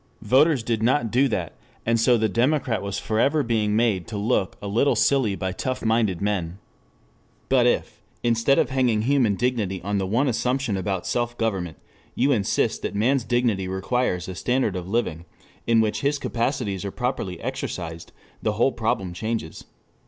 Voters did not do that, and so the democrat was forever being made to look a little silly by tough minded men. But if, instead of hanging human dignity on the one assumption about self government, you insist that man's dignity requires a standard of living, in which his capacities are properly exercised, the whole problem changes.